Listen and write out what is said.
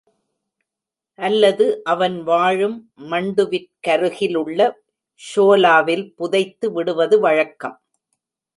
அல்லது அவன் வாழும் மண்டுவிற்கருகிலுள்ள ஷோலாவில் புதைத்து விடுவது வழக்கம்.